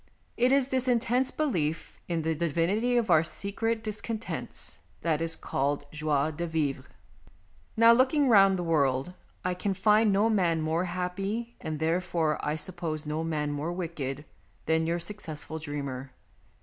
It is this intense belief in the divinity of our secret discon tents that is called joi de vivre. Now, looking round the world, I can find 110 MONOLOGUES no man more happy, and, therefore, I sup pose no man more wicked, than your suc cessful dreamer.